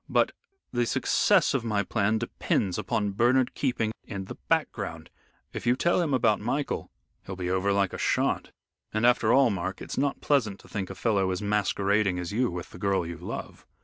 But the success of my plan depends upon Bernard keeping in the background. If you tell him about Michael " "He'll be over like a shot. And after all, Mark, it's not pleasant to think a fellow is masquerading as you with the girl you love."